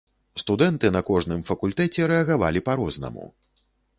Студэнты на кожным факультэце рэагавалі па-рознаму.